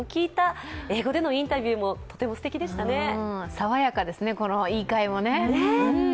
爽やかですね、この言いかえもね。